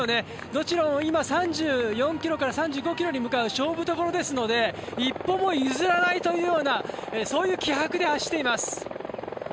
どちらも今、３４ｋｍから３５ｋｍに向かう勝負どころですので一歩も譲らないというようなそういう気迫で走っています。